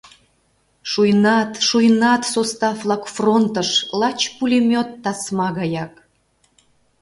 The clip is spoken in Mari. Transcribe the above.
Шуйнат, шуйнат состав-влак фронтыш лач пулемёт тасма гаяк.